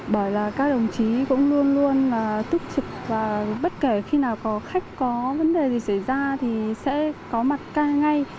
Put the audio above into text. bởi là các đồng chí cũng luôn luôn là túc trực và bất kể khi nào có khách có vấn đề gì xảy ra thì sẽ có mặt ca ngay